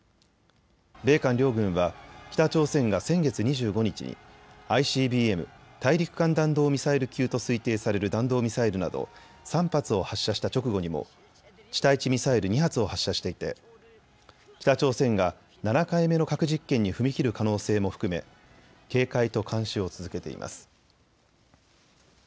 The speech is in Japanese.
米韓両軍は北朝鮮が先月２５日にＩＣＢＭ・大陸間弾道ミサイル級と推定される弾道ミサイルなど３発を発射した直後にも地対地ミサイル２発を発射していて北朝鮮が７回目の核実験に踏み切る可能性も含め警戒と監視を続けています。